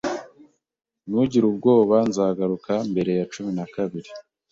Ntugire ubwoba, nzagaruka mbere ya cumi na kabiri.